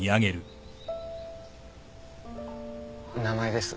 名前です。